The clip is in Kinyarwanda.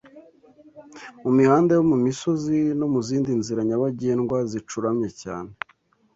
Mu mihanda yo mu misozi no mu zindi nzira nyabagendwa zicuramye cyane